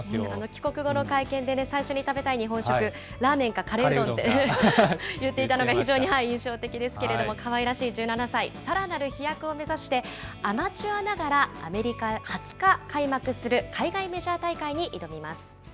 帰国後の会見で最初に食べたい日本食、ラーメンかカレーうどんって言っていたのが非常に印象的ですけれども、かわいらしい１７歳、さらなる飛躍を目指して、アマチュアながら、アメリカで２０日に開幕する海外メジャー大会に挑みます。